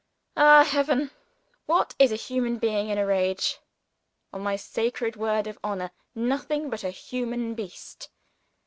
Ah, Heaven! what is a human being in a rage? On my sacred word of honor, nothing but a human beast!